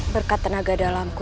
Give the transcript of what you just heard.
berkat tenaga dalamku